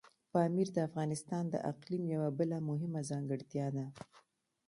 پامیر د افغانستان د اقلیم یوه بله مهمه ځانګړتیا ده.